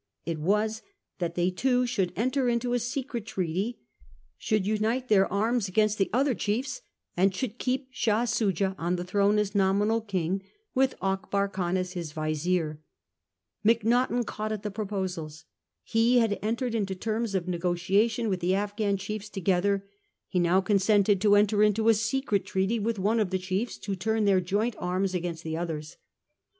It was that they two should enter into a secret treaty, should unite their arms against the other chiefs, and should keep Shah Soojah on the throne as nominal king, with Akbar Khan as his vizier. Macnaghten caught at the proposals. He had entered into terms of negotiation with the Afghan chiefs together ; he now consented to enter into a secret treaty with one of the chiefs to turn their joint arms against the others.